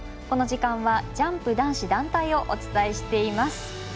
この時間はジャンプ男子団体をお伝えしています。